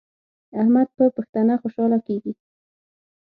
احمد په پښتنه خوشحاله کیږي.